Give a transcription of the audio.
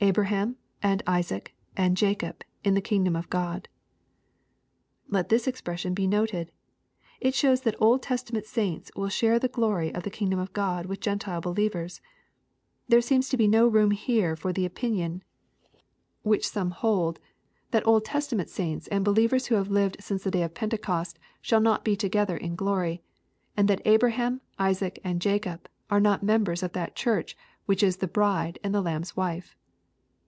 [Ahrah^mj and Isaac^ and Jacob.. .in the kingdom of God^ Let this expression be noted. It shows that Old Testament s iinta will share the glory of the kingdom of Q od with Q entile be^ liovers. There seems no room here for the opinion, which some LUKE, CHAP. XIII 137 liold, that OH Testament sainU and believers who have lived smce the day of Pentecost shall not be togetlier in glory ;— and that Abraham, Isaac, and Jacob are not members of that Cliurch which is the Bride and the Lamb's Wife.